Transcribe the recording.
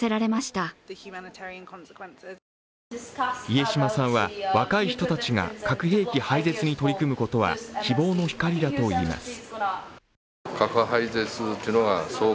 家島さんは若い人たちが核兵器廃絶に取り組むことは希望の光だといいます。